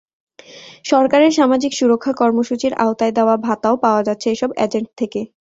সরকারের সামাজিক সুরক্ষা কর্মসূচির আওতায় দেওয়া ভাতাও পাওয়া যাচ্ছে এসব এজেন্ট থেকে।